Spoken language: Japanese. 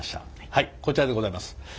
はいこちらでございます。